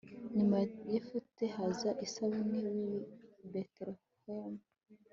nyuma ya yefute haza ibusani w'i betelehemu